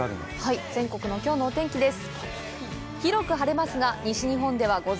全国のきょうのお天気です。